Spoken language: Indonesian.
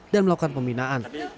dan melakukan pembinaan